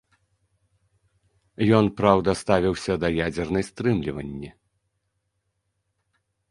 Ён, праўда, ставіўся да ядзернай стрымліванні.